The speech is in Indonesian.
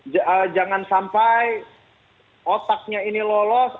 jangan sampai otaknya ini lolos